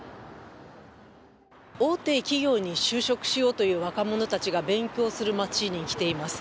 大手企業に就職しようという若者たちが勉強する街に来ています。